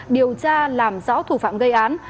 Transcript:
điều tra làm rõ thủ phạm gây án